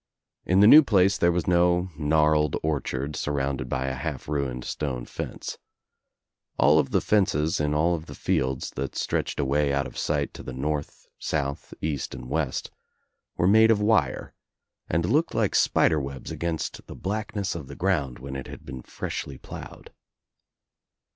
In the new place there was no gnarled orchard sur rounded by a half ruined stone fence. All of the fences in all of the fields that stretched away out of sight to the north, south, east, and west were made of wire and looked like spider webs against the black ness of the ground when it had been freshly ploughed.